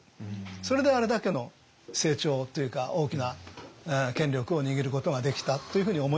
それであれだけの成長というか大きな権力を握ることができたというふうに思いますけどね。